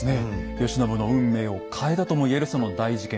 慶喜の運命を変えたとも言えるその大事件。